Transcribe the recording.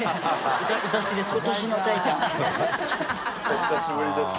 お久しぶりです。